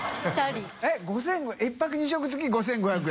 ┐叩庁映２食付き５５００円？